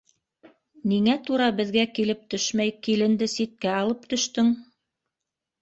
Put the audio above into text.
— Ниңә тура беҙгә килеп төшмәй, киленде ситкә алып төштөң?